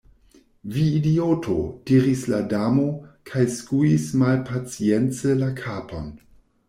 "Vi idioto!" diris la Damo, kaj skuis malpacience la kapon.